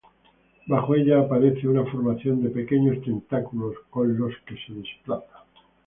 Bajo ella aparece una formación de pequeños tentáculos con los que se desplaza.